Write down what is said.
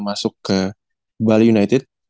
masuk ke bali united